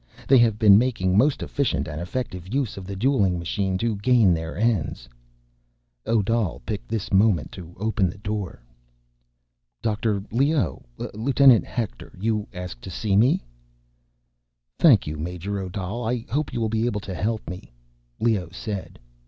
They have been making most efficient and effective use of the dueling machine to gain their ends." Odal picked this moment to open the door. "Dr. Leoh ... Lt. Hector ... you asked to see me?" "Thank you, Major Odal; I hope you will be able to help me," said Leoh.